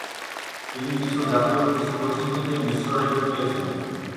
তিনি কিছু জাতীয় কৃষি গোষ্ঠী থেকে মিশ্র রেটিং পেয়েছেন।